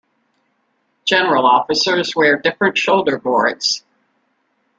General officers wear different shoulder boards.